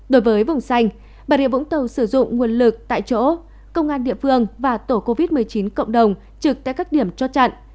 đối với vùng xanh bà rịa vũng tàu sử dụng nguồn lực tại chỗ công an địa phương và tổ covid một mươi chín cộng đồng trực tại các điểm chốt chặn